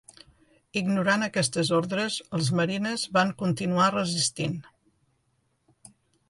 Ignorant aquestes ordres, els marines van continuar resistint.